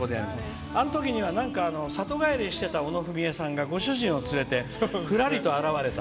あのときには里帰りしていた小野文惠さんがご主人を連れてふらりと現れた。